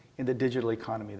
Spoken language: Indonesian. koneksi neuronal yang